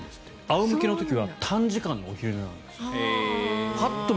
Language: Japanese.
仰向けの時は短時間のお昼寝なんですって。